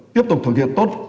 tiếp tục thực hiện tốt